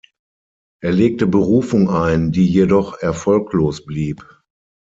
Er legte Berufung ein, die jedoch erfolglos blieb.